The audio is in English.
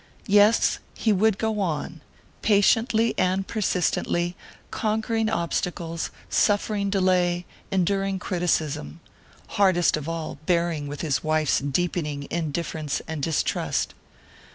Yes, he would go on, patiently and persistently, conquering obstacles, suffering delay, enduring criticism hardest of all, bearing with his wife's deepening indifference and distrust.